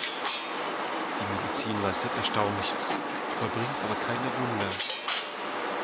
Die Medizin leistet Erstaunliches, vollbringt aber keine Wunder.